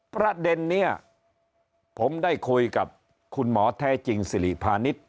ประเด็นนี้ผมได้คุยกับคุณหมอแท้จริงสิริพาณิชย์